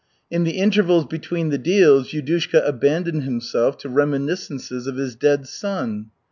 In the intervals between the deals, Yudushka abandoned himself to reminiscences of his dead son.